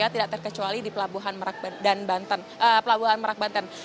tidak terkecuali di pelabuhan merak banten